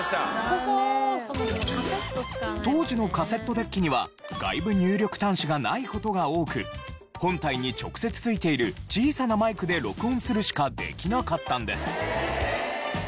当時のカセットデッキには外部入力端子がない事が多く本体に直接付いている小さなマイクで録音するしかできなかったんです。